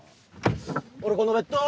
俺このベッド！